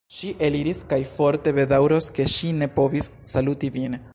Ŝi eliris kaj forte bedaŭros, ke ŝi ne povis saluti vin.